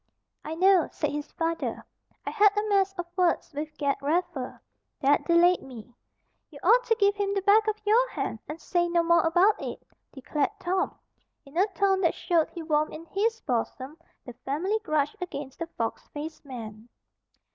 "I know," said his father. "I had a mess of words with Ged Raffer. That delayed me." "You ought to give him the back of your hand, and say no more about it," declared Tom, in a tone that showed he warmed in his bosom the family grudge against the fox faced man.